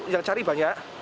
yang cari banyak